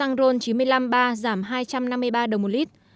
giá bán xăng ron chín mươi năm ba giảm hai trăm năm mươi ba đồng một lít